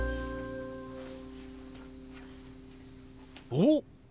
おっ！